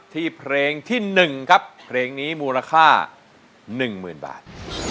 เพลงที่๑ครับเพลงนี้มูลค่า๑๐๐๐บาท